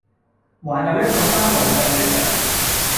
還有一個生癆病的人，